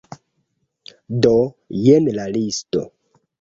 Do, jen la listo